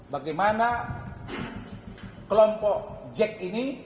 bagaimana kelompok jack ini